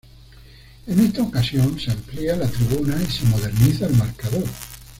En esta ocasión se amplia la tribuna, y se moderniza el marcador.